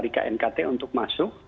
rekan rekan dari knkt untuk masuk